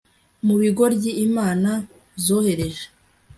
Mubigoryi imana zohereje